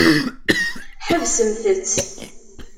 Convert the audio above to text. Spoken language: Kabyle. Ḥebsemt-tt.